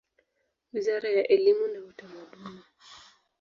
Wizara ya elimu na Utamaduni.